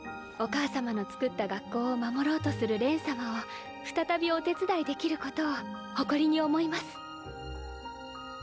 お母様のつくった学校を守ろうとする恋様を再びお手伝いできることを誇りに思います。